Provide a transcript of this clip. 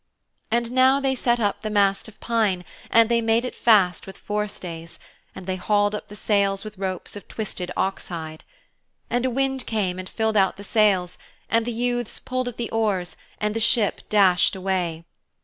And now they set up the mast of pine and they made it fast with forestays, and they hauled up the sails with ropes of twisted oxhide. And a wind came and filled out the sails, and the youths pulled at the oars, and the ship dashed away.